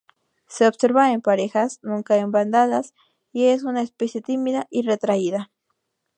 Se observa en parejas, nunca en bandadas, y es una especie tímida y retraída.